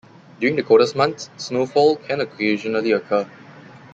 During the coldest months, snowfall can occasionally occur.